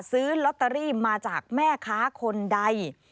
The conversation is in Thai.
ซื้อลอตเตอรี่มาจากแม่ค้าคนใด